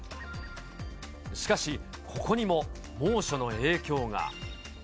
しかし、ここにも猛暑の影響が。